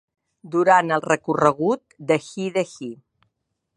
Durant el recorregut de Hi-de-Hi!